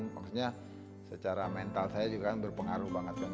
maksudnya secara mental saya juga kan berpengaruh banget kan